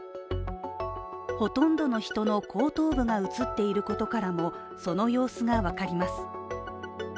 ほとんどの人の後頭部が写っていることからもその様子が分かります。